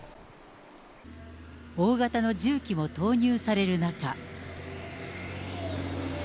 大型の重機も投入される中。